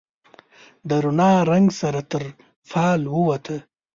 د رڼا، رنګ سره تر فال ووته